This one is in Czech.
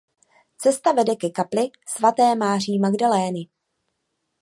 Cesta vede ke kapli svaté Maří Magdalény.